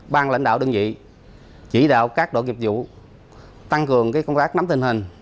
ban lãnh đạo đơn vị chỉ đạo các đội nghiệp vụ tăng cường công tác nắm tình hình